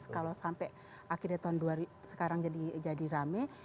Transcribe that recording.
kalau sampai akhirnya tahun sekarang jadi rame